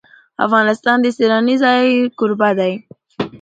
افغانستان د سیلانی ځایونه کوربه دی.